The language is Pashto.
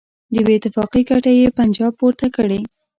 د بېاتفاقۍ ګټه یې پنجاب پورته کړي.